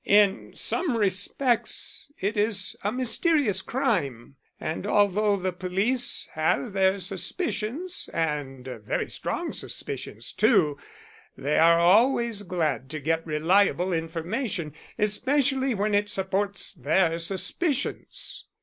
"In some respects it is a mysterious crime, and although the police have their suspicions and very strong suspicions too they are always glad to get reliable information, especially when it supports their suspicions."